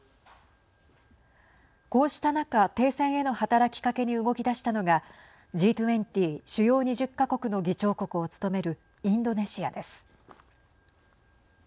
こうした中、停戦への働きかけに動き出したのがＧ２０＝主要２０か国の議長国を務めるインドネシアです。